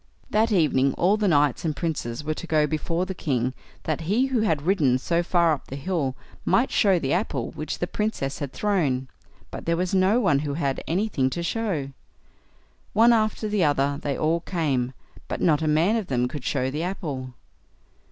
That evening all the knights and princes were to go before the king, that he who had ridden so far up the hill might show the apple which the princess had thrown, but there was no one who had anything to show. One after the other they all came, but not a man of them could show the apple.